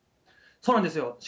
そうなんですよ。